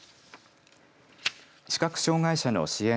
視覚障害者の支援